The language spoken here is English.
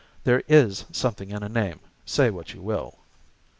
There is something in a name, say what you will.